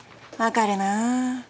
分かるなぁ。